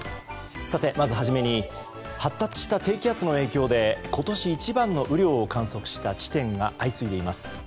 まず初めに発達した低気圧の影響で今年一番の雨量を観測した地点が相次いでいます。